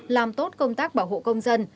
làm tốt công tác bảo hộ công dân